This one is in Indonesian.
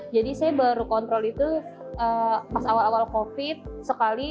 jadi saya baru kontrol itu pas awal awal covid sekali